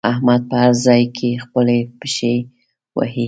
احمد په هر ځای کې خپلې پښې وهي.